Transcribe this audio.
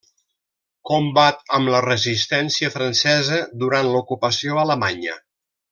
Combat amb la Resistència Francesa durant l'ocupació alemanya.